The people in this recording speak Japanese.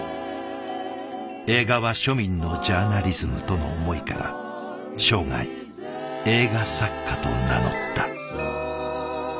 映画は庶民のジャーナリズムとの思いから生涯映画作家と名乗った。